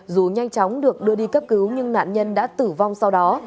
dù nhanh chóng được đưa đi cấp cứu nhưng nạn nhân đã tử vong sau đó